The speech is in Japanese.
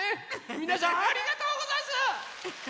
みなさんありがとうござんす！